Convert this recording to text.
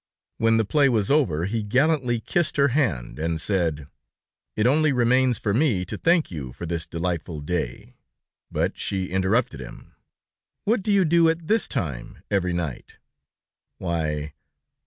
When the play was over, he gallantly kissed her hand, and said: "It only remains for me to thank you for this delightful day...." But she interrupted him: "What do you do at this time, every night?" "Why